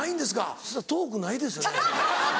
そしたらトークないですよね。